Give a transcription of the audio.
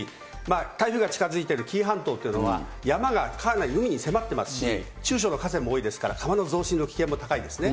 台風が近づいてる紀伊半島というのは、山がかなり海に迫ってますし、中小の河川も多いですから、川の増水の危険も高いですね。